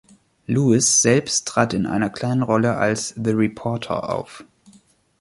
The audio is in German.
Lewis selbst trat in einer kleinen Rolle als „The Reporter“ auf.